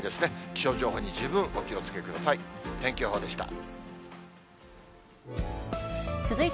気象情報に十分、お気をつけください。